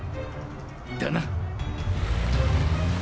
だな。